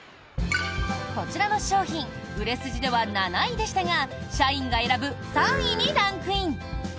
こちらの商品売れ筋では７位でしたが社員が選ぶ３位にランクイン！